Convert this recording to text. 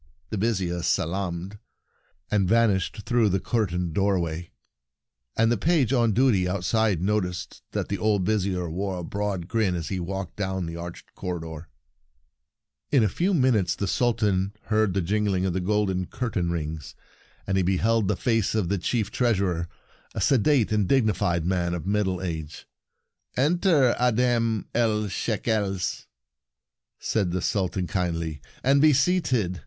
" The Vizier salaamed, and vanished through the curtained doorway ; and the page on duty outside noticed that the old Vizier wore a broad grin as he walked down the arched cor ridor. Enter the Treasurer m::^^:^^^=s:^ T The Sultan's Verses 59 In a few minutes the Sultan heard the jingling of the golden curtain rings, and beheld the face of the Chief Treasurer, a sedate and dignified man of middle age. " Enter Adhem el Shekels," said the Sultan kindly, " and be seated.